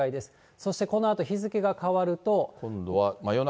そしてこのあと日付が変わると。